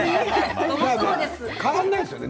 変わらないですね